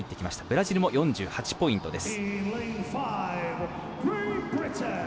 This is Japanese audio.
ブラジルも４８ポイントです。